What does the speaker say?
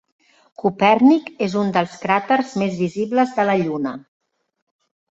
Copèrnic és un dels cràters més visibles de la Lluna.